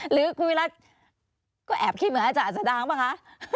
หรือคุณวิรัติก็แอบคิดเหมือนอาจารย์อัศดางป่ะคะ